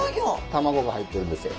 卵が入ってるんですよ。